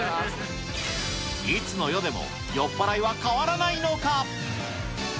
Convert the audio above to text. いつの世でも酔っ払いは変わらないのか。